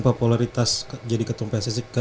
popularitas jadi ketua pcsi